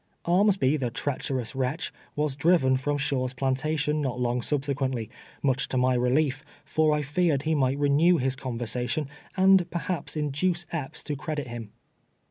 Armsby, the treacherous wretch, was driven from Shaw's planta tion not long subsequently, much to my relief, for I feared he might renew his conversation, and perhaps induce Epps to credit him.